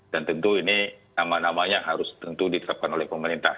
dan tentu ini nama namanya harus ditetapkan oleh pemerintah